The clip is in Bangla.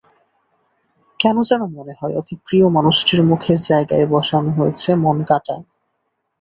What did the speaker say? কেন যেন মনে হয়, অতি প্রিয় মানুষটির মুখের জায়গায় বসানো রয়েছে মনকাঁটা।